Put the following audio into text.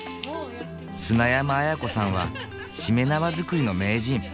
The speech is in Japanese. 砂山綾子さんはしめ縄作りの名人。